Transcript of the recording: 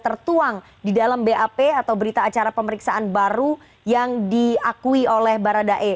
tertuang di dalam bap atau berita acara pemeriksaan baru yang diakui oleh baradae